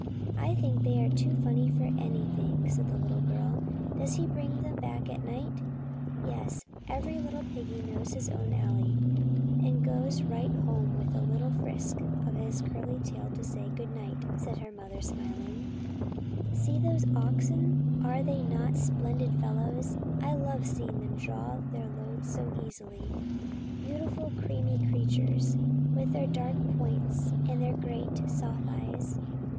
" I think they are too funny for anything," said the little girl. " Does he bring them back at night ?" "Yes, and every little piggy knows his own alley, and goes right home with a little frisk of his curly tail to say f good night, '' said her mother, smiling. 94 Our Little Spanish Cousin " See those oxen ; are they not splendid fellows ? I love to see them draw their loads so easily. Beautiful creamy creatures, with their dark points and their great, soft eyes."